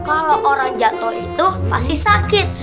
kalau orang jatuh itu pasti sakit